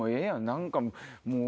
何かもう。